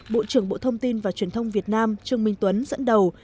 bộ trưởng bộ thông tin và truyền thông việt nam trương minh tuấn dẫn đầu